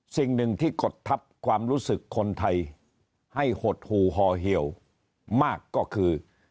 สิ่งหนึ่งที่กดทับความรู้สึกคนไทยให้หดหู่ห่อเหี่ยวมากก็คือ